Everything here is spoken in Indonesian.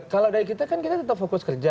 kalau dari kita kan kita tetap fokus kerja